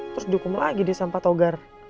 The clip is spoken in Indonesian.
terus dihukum lagi deh sama patogar